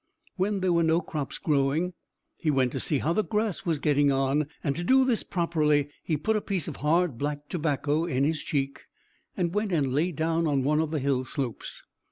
When there were no crops growing, he went to see how the grass was getting on, and to do this properly, he put a piece of hard black tobacco in his cheek, and went and lay down on one of the hill slopes.